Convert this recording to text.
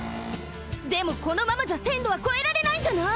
でもこのままじゃせんろはこえられないんじゃない？